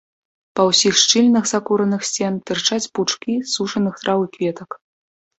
Па ўсіх шчылінах закураных сцен тырчаць пучкі сушаных траў і кветак.